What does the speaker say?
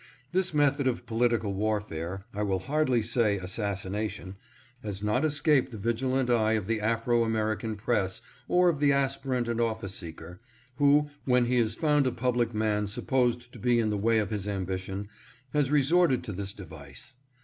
This method of political warfare, I will hardly say assassination, has not escaped the vigilant eye of the Afro American press or of the aspirant and office seeker, who, when he has found a public man supposed to be in the way of his ambition, has resorted to this device.